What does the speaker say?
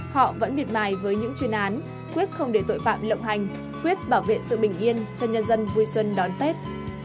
họ vẫn miệt mài với những chuyên án quyết không để tội phạm lộng hành quyết bảo vệ sự bình yên cho nhân dân vui xuân đón tết